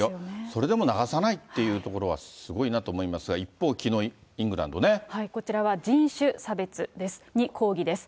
それでも流さないっていうところは、すごいなと思いますが、一方、こちらは人種差別に抗議です。